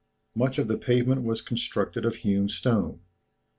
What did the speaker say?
Much of the pavement was constructed of hewn stone.